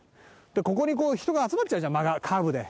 ここにこう人が集まっちゃうじゃんカーブで。